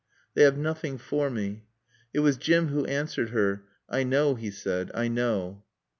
"They have nothing for me." It was Jim who answered her. "I knaw," he said, "I knaw."